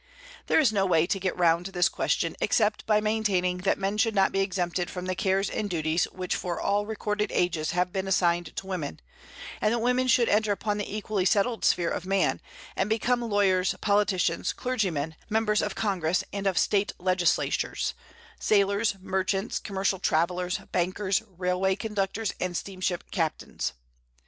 There is no way to get round this question except by maintaining that men should not be exempted from the cares and duties which for all recorded ages have been assigned to women; and that women should enter upon the equally settled sphere of man, and become lawyers, politicians, clergymen, members of Congress and of State legislatures, sailors, merchants, commercial travellers, bankers, railway conductors, and steamship captains.